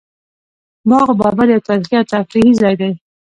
باغ بابر یو تاریخي او تفریحي ځای دی